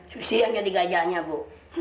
susi yang jadi gajahnya bu